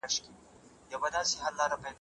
په لاس لیکل د شخصیت د درناوي نښه ده.